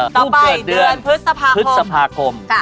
ต่อไปเดือนพฤษภาคม